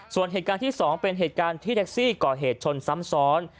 ส่วนเหตุการณ์ที่๒เป็นเหตุการณ์ที่แท็กซี่ก่อเหตุชนซ้ำซ้อน